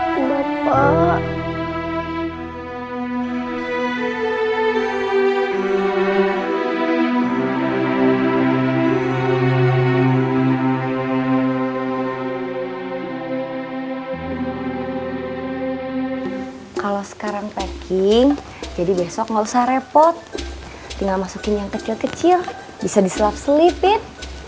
bapak jangan pergi ninggalin febri ya pak